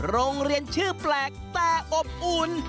โรงเรียนชื่อแปลกแต่อบอุ่น